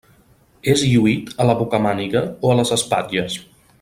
És lluït a la bocamàniga o a les espatlles.